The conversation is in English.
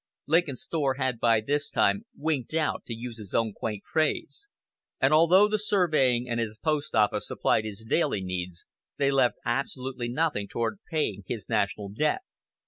Lincoln's store had by this time "winked out," to use his own quaint phrase; and although the surveying and his post office supplied his daily needs, they left absolutely nothing toward paying his "National Debt."